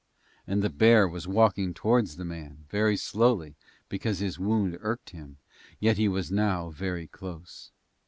And the bear was walking towards the man, very slowly because his wound irked him yet he was now very close.